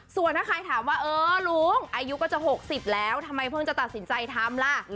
ส่วนถ้าใครถามว่าเออลุงอายุก็จะ๖๐แล้วทำไมเพิ่งจะตัดสินใจทำล่ะ